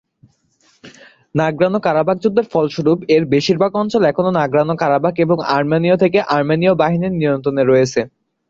Nagorno-Karabakh যুদ্ধের ফলস্বরূপ, এর বেশিরভাগ অঞ্চল এখন নাগরোণো-কারাবাখ এবং আর্মেনিয়া থেকে আর্মেনীয় বাহিনীর নিয়ন্ত্রণে রয়েছে।